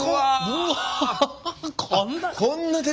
うわ！